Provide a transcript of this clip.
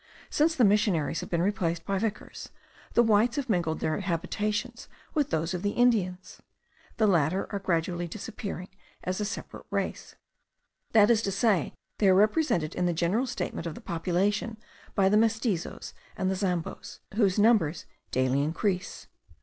Since the missionaries have been replaced by vicars, the whites have mingled their habitations with those of the Indians. The latter are gradually disappearing as a separate race; that is to say, they are represented in the general statement of the population by the Mestizoes and the Zamboes, whose numbers daily increase.